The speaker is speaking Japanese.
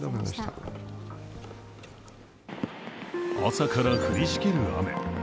朝から降りしきる雨。